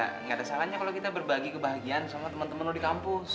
jadi gak ada salahnya kalau kita berbagi kebahagiaan sama temen temen lo di kampung ya